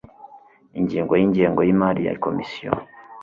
Ingingo y’Ingengo y imari ya Komisiyo